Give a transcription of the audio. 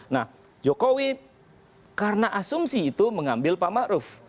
nah jokowi karena asumsi itu mengambil pak ma'ruf